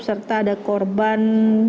serta ada korban